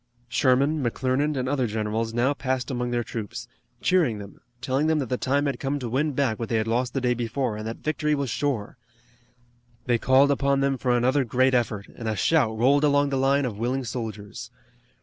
Sherman, McClernand and other generals now passed among their troops, cheering them, telling them that the time had come to win back what they had lost the day before, and that victory was sure. They called upon them for another great effort, and a shout rolled along the line of willing soldiers.